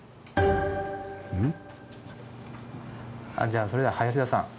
じゃあそれでは林田さん。